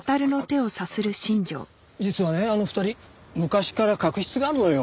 実はねあの２人昔から確執があるのよ。